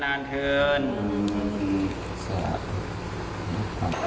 ขอให้ศุกร์ยิ่งยิ่งขึ้นไป